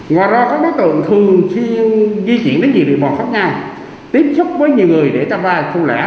ngoài ra các đối tượng thường di chuyển đến nhiều địa bàn khác nhau tiếp xúc với nhiều người để cho vai thu lẽ